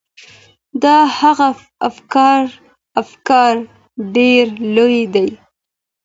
د هغه افکار ډیر لوړ دي.